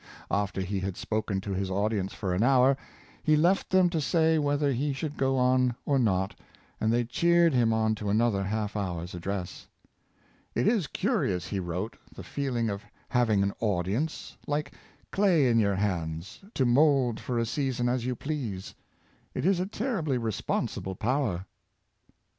After he had spoken to his audience for an hour, he left them to say whether he should go on or not, and they cheered him on to another half hour's address. " It is curious," he wrote, '^ the feeling of having an audience, like clay in your hands, to mould for a season as you please. It is a terribly responsible power.